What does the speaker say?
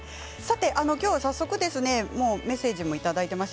早速、メッセージをいただいています。